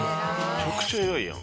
めちゃくちゃ偉いやん。